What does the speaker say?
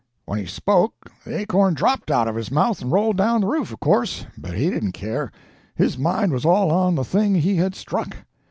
When he spoke, the acorn dropped out of his mouth and rolled down the roof, of course, but he didn't care; his mind was all on the thing he had struck.